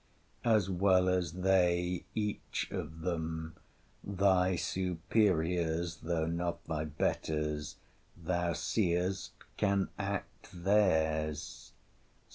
—as well as they each of them (thy superiors, though not thy betters), thou seest, can act theirs.